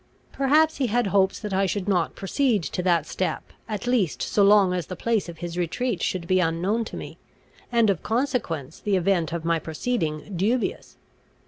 "Perhaps he had hopes that I should not proceed to that step, at least so long as the place of his retreat should be unknown to me, and of consequence the event of my proceeding dubious.